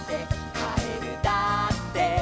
「かえるだって」